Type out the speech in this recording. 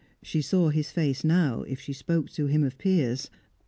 She saw his face now, if she spoke to him of Piers.